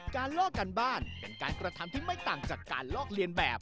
ลอกการบ้านเป็นการกระทำที่ไม่ต่างจากการลอกเลียนแบบ